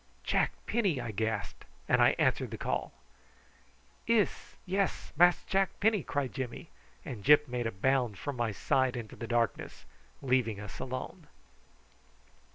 "Jack Penny!" I gasped, and I answered the call. "Iss, yes, Mass Jack Penny," cried Jimmy, and Gyp made a bound from my side into the darkness, leaving us alone.